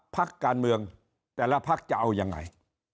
พักการเมืองแต่ละพักจะเอายังไง